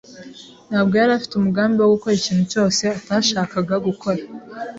ntabwo yari afite umugambi wo gukora ikintu cyose atashakaga gukora.